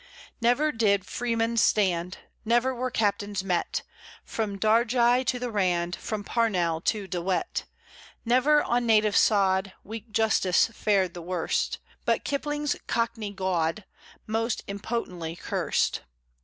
Never did freemen stand, Never were captains met, From Dargai to the Rand, From Parnell to De Wet, Never, on native sod, Weak Justice fared the worst, But Kipling's Cockney "Gawd" Most impotently cursed.